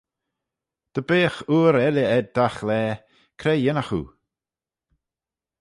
Dy beagh oor elley ayd dagh laa, cre yinnagh oo?